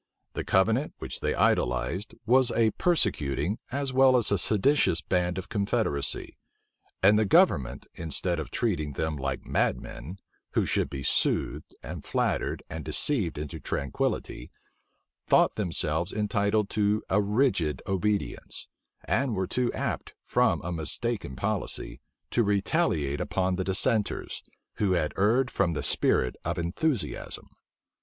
The covenant, which they idolized, was a persecuting, as well as a seditious band of confederacy; and the government, instead of treating them like madmen, who should be soothed, and flattered, and deceived into tranquillity, thought themselves entitled to a rigid obedience, and were too apt, from a mistaken policy, to retaliate upon the dissenters, who had erred from the spirit of enthusiasm.